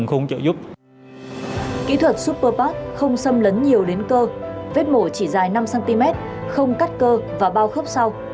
kỹ thuật super pat không xâm lấn nhiều đến cơ vết mổ chỉ dài năm cm không cắt cơ và bao khớp sau